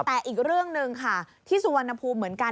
แต่อีกเรื่องหนึ่งค่ะที่สุวรรณภูมิเหมือนกัน